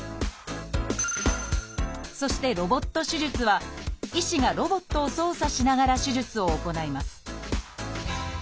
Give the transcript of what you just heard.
そして「ロボット手術」は医師がロボットを操作しながら手術を行います